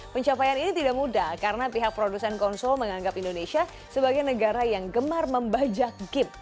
pencapaian ini tidak mudah karena pihak produsen konsol menganggap indonesia sebagai negara yang gemar membajak game